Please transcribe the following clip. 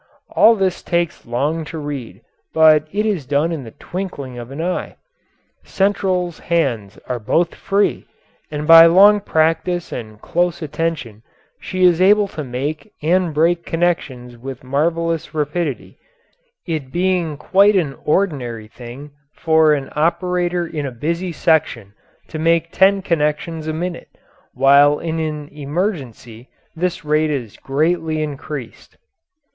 All this takes long to read, but it is done in the twinkling of an eye. "Central's" hands are both free, and by long practice and close attention she is able to make and break connections with marvellous rapidity, it being quite an ordinary thing for an operator in a busy section to make ten connections a minute, while in an emergency this rate is greatly increased.